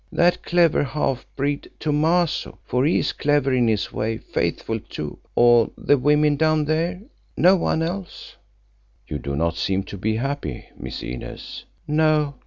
That clever half breed, Thomaso—for he is clever in his way, faithful too—or the women down there—no one else." "You do not seem to be happy, Miss Inez." "No.